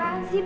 apaan sih pak